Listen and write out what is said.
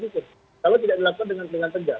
kalau tidak dilakukan dengan tegas